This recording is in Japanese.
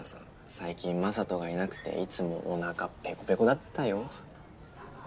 最近雅人がいなくていつもお腹ペコペコだったよ？